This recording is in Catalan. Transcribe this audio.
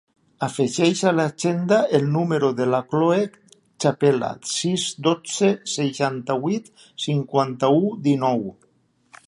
Afegeix a l'agenda el número de la Chloé Chapela: sis, dotze, seixanta-vuit, cinquanta-u, dinou.